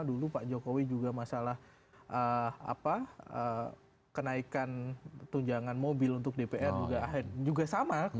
dulu pak jokowi juga masalah kenaikan tunjangan mobil untuk dpr juga sama